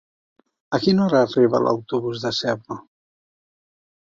A quina hora arriba l'autobús de Seva?